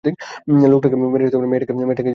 লোকটাকে মেরে মেয়েটাকে জীবিত ধরে আনো!